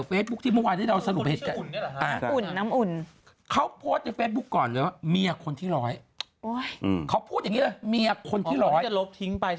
เตยเตยกลับเก้งกวางเสียใจวันนี้คุณแม่